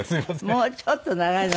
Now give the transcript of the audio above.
もうちょっと長いのがいいと。